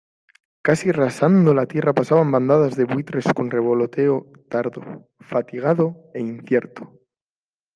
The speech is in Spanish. casi rasando la tierra pasaban bandadas de buitres con revoloteo tardo, fatigado e incierto.